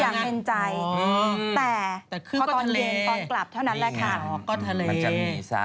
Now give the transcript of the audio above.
เงียบสักอ๋อแต่คือก็ทะเลอ๋อมันจะมีซะ